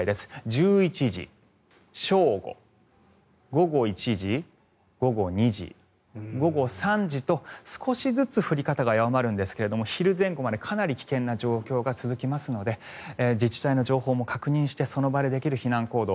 １１時、正午午後１時、午後２時、午後３時と少しずつ降り方が弱まるんですが昼前後までかなり危険な状況が続きますので自治体の情報も確認してその場でできる避難行動。